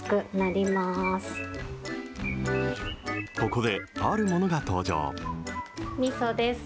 ここであるものが登場。